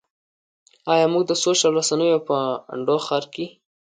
ایا موږ د سوشل رسنیو په انډوخر کې.